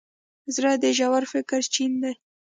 زړه د ژور فکر چین دی.